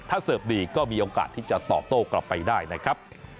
ถ้าเสิร์ฟดีก็มีโอกาสที่จะตอบโต้กลับไปได้นะครับ